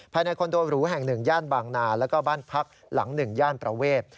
ภายในคอนโดหรูแห่ง๑ย่านบางนาแล้วก็บ้านพักหลัง๑ย่านประเวท